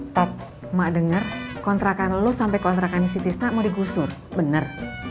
tad mak denger kontrakan lo sampe kontrakan si tisnak mau digusur bener